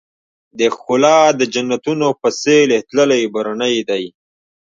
د ښــــــــکلا د جنــــــتونو په ســـــــېل تللـــــــی برنی دی